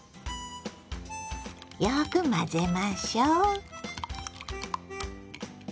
よく混ぜましょう。